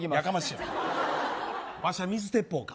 わしゃ水鉄砲か。